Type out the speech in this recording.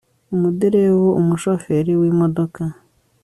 umuderevu umushoferi wimodoka